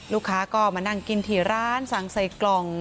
ลูกค้าก็มานั่งกินที่ร้านสั่งใส่กล่อง